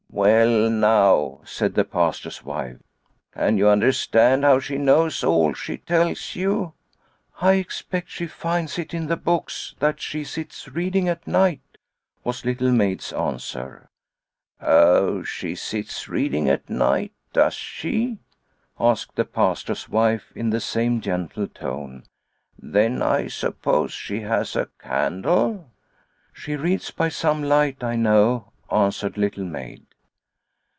" Well now," said the Pastor's wife. " Can you understand how she knows all she tells you ?"" I expect she finds it in the books that she sits reading at night," was Little Maid's answer. " Oh, she sits reading at night, does she ?' asked the Pastor's wife in the same gentle tone. " Then I suppose she has a candle." " She reads by some light, I know," answered Little Maid.